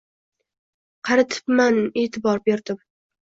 Qaritibman etibor berdim